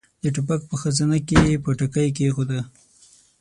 د ټوپک په خزانه کې يې پټاکۍ کېښوده.